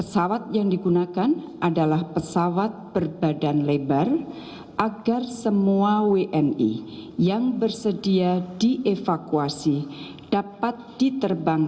siang ini saya telah melakukan pembicaraan dengan tim aju kita dari kbri beijing